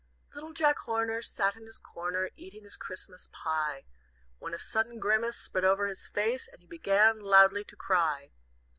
"Little Jack Horner Sat in his corner, Eating his Christmas pie, When a sudden grimace Spread over his face, And he began loudly to cry.